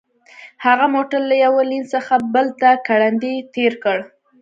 هغه موټر له یوه لین څخه بل ته ګړندی تیر کړ